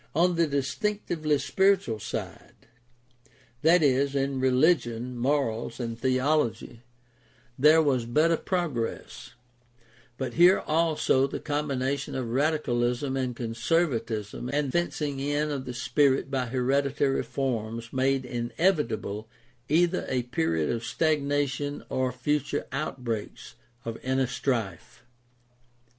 On the distinctively spiritual side — i.e., in religion, morals, and theology — there was better progress; but here also the combination of radicalism and conservatism and the fencing in of the spirit by hereditary forms made inevitable either a period of stagnation or future outbreaks of inner strife.